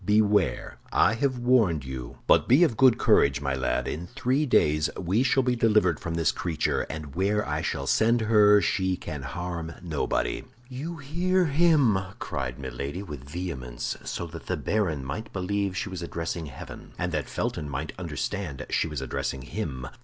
Beware! I have warned you! But be of good courage, my lad; in three days we shall be delivered from this creature, and where I shall send her she can harm nobody." "You hear him!" cried Milady, with vehemence, so that the baron might believe she was addressing heaven, and that Felton might understand she was addressing him.